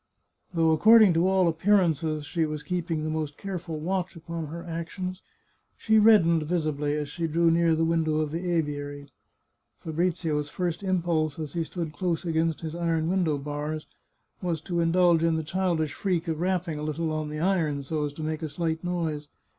Though according to all appearances she was keeping the most careful watch upon her actions, she reddened visi bly as she drew near the window of the aviary. Fabrizio's first impulse, as he stood close against his iron window bars, was to indulge in the childish freak of rapping a little on the iron, so as to make a slight noise.